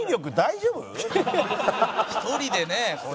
１人でねこれ。